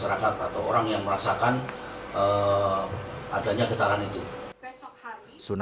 masyarakat atau orang yang merasakan adanya getaran itu